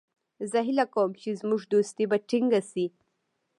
زه هیله کوم چې زموږ دوستي به ټینګه شي.